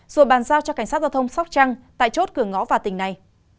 rồi bàn giao cho cảnh sát giao thông sóc trăng tại chốt cửa ngõ vào tỉnh này